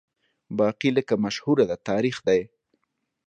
باقي لکه مشهوره ده تاریخ دی